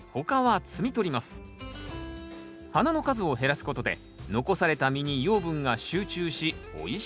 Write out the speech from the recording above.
花の数を減らすことで残された実に養分が集中しおいしい